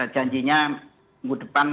janjinya minggu depan